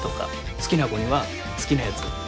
好きな子には好きなやつ。